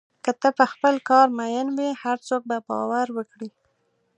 که ته په خپل کار مین وې، هر څوک به باور وکړي.